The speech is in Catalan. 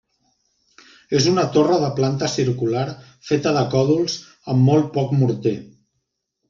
És una torre de planta circular feta de còdols amb molt poc morter.